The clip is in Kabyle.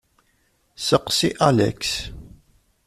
Seqsi Alex.